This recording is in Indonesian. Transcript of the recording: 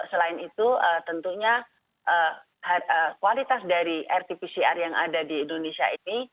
selain itu tentunya kualitas dari rt pcr yang ada di indonesia ini